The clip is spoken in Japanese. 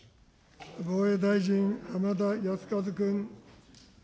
防衛大臣、浜田靖一君。